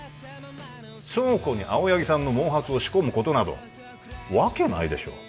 倉庫に青柳さんの毛髪を仕込むことなどわけないでしょう